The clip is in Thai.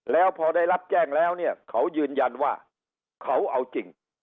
แล้วพอได้รับแจ้งแล้วเนี่ยเขายืนยันว่าเขาเอาจริง